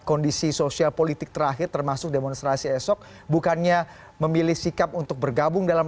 kondisi sosial politik terakhir termasuk demonstrasi esok bukannya memilih sikap untuk bergabung dalam